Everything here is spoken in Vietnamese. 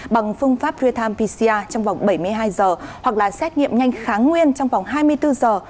bằng phương pháp real time pcr trong vòng bảy mươi hai giờ hoặc là xét nghiệm nhanh kháng nguyên trong vòng hai mươi bốn giờ